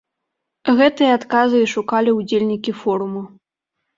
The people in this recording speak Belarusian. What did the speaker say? Гэтыя адказы і шукалі ўдзельнікі форуму.